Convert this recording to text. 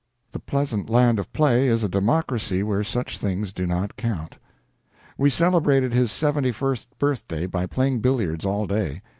The pleasant land of play is a democracy where such things do not count. We celebrated his seventy first birthday by playing billiards all day.